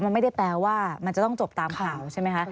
มันไม่ได้แปลว่ามันจะต้องจบตามข่าวใช่ไหมคะ